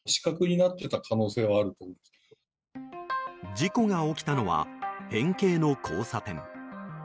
事故が起きたのは変形の交差点。